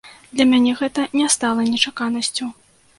Для мяне гэта не стала нечаканасцю.